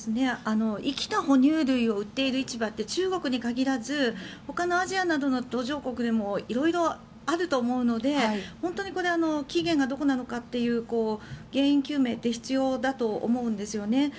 生きた哺乳類を売っている市場って中国に限らずほかのアジアなどの途上国でも色々あると思うので本当にこれは起源がどこなのかという原因究明って必要だと思うんですよね。